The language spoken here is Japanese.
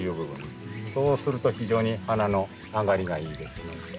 そうすると非常に花のあがりがいいですね。